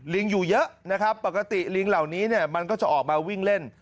อยู่เยอะนะครับปกติลิงเหล่านี้เนี่ยมันก็จะออกมาวิ่งเล่น